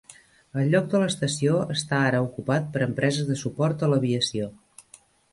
El lloc de l'estació està ara ocupat per empreses de suport a l'aviació.